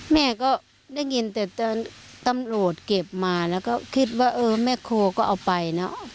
แม่ก็ได้ยินแต่ตำรวจเก็บมาแล้วก็คิดว่าเออแม่โคก็เอาไปเนอะ